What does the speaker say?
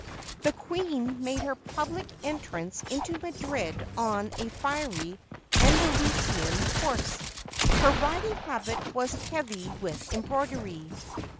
The queen made her public entrance into Madrid on a fiery Andalusian horse. Her riding habit was heavy with embroidery.